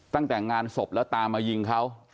ตั้งแต่งานศพแล้วตามมายิงเขา